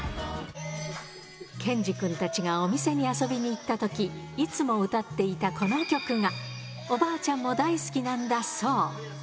ケンジくんたちがお店に遊びに行ったとき、いつも歌っていたこの曲が、おばあちゃんも大好きなんだそう。